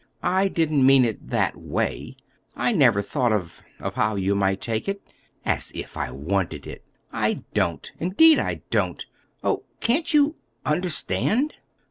I didn't mean it—that way. I never thought of—of how you might take it—as if I wanted it. I don't. Indeed, I don't! Oh, can't you—understand?"